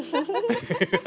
ハハハハ。